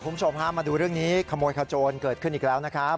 มาดูเรื่องนี้ขโมยคาโจนเกิดขึ้นอีกแล้วนะครับ